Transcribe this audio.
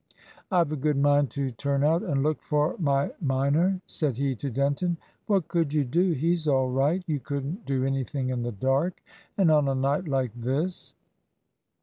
"I've a good mind to turn out and look for my minor," said he to Denton. "What could you do? He's all right. You couldn't do anything in the dark, and on a night like this.